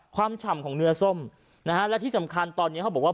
ฉ่ำของเนื้อส้มนะฮะและที่สำคัญตอนนี้เขาบอกว่า